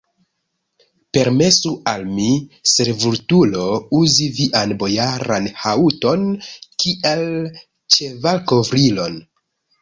Permesu al mi, servutulo, uzi vian bojaran haŭton kiel ĉevalkovrilon!